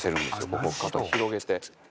ここ肩を広げて。